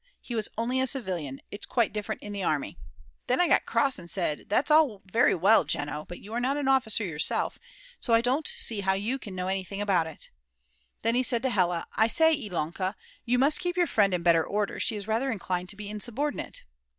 He was only a civilian; it's quite different in the army." Then I got cross and said: "That's all very well, Jeno, but you are not an officer yourself, so I don't see how you can know anything about it." Then he said to Hella: "I say, Ilonka, you must keep your friend in better order, she is rather inclined to be insubordinate."